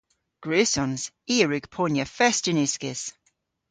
Gwrussons. I a wrug ponya fest yn uskis.